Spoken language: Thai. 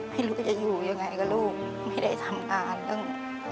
ไม่รู้จะอยู่ยังไงกับลูกไม่ได้ทำงานเรื่อง